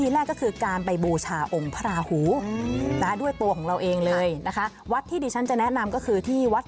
และคูด้วยตัวของเราเองวัดที่ที่ฉันจะแนะนำก็คือที่วัด